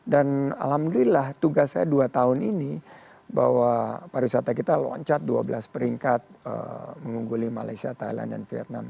dan alhamdulillah tugas saya dua tahun ini bahwa pariwisata kita loncat dua belas peringkat mengungguli malaysia thailand dan vietnam